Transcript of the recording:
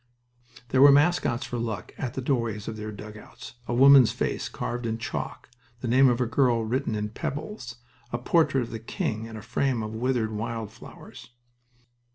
There were mascots for luck, at the doorways of their dugouts a woman's face carved in chalk, the name of a girl written in pebbles, a portrait of the King in a frame of withered wild flowers.